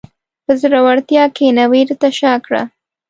په زړورتیا کښېنه، وېرې ته شا کړه.